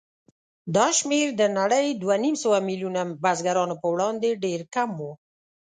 دا شمېر د نړۍ دوهنیمسوه میلیونه بزګرانو په وړاندې ډېر کم و.